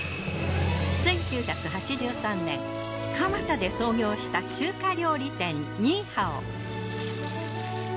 １９８３年蒲田で創業した中華料理店ニーハオ。